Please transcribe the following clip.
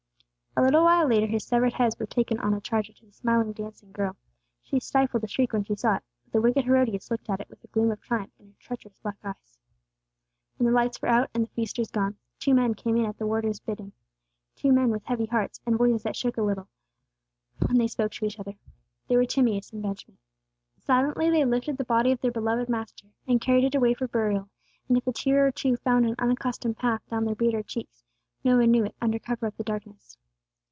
A little while later his severed head was taken on a charger to the smiling dancing girl. She stifled a shriek when she saw it; but the wicked Herodias looked at it with a gleam of triumph in her treacherous black eyes. When the lights were out, and the feasters gone, two men came in at the warden's bidding, two men with heavy hearts, and voices that shook a little when they spoke to each other. They were Timeus and Benjamin. Silently they lifted the body of their beloved master, and carried it away for burial; and if a tear or two found an unaccustomed path down their bearded cheeks, no one knew it, under cover of the darkness.